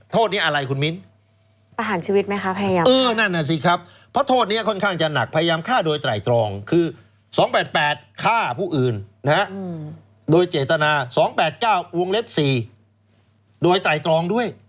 ทีนี้โทษเนี่ยอะไรคุณมิ้น